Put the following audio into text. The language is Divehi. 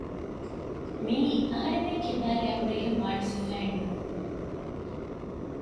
މިއީ އަހަރެމެންގެކިބާގައި ހުރެގެންވާނެ ސިފައެއްނޫން